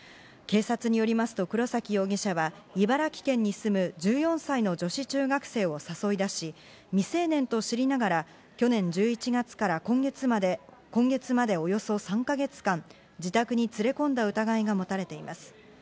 警察によりますと、黒崎容疑者は茨城県に住む１４歳の女子中学生を誘い出し、未成年と知りながら、去年１１月から今月までおよそ３か月間自宅に連れ込んだ疑いがもたれています。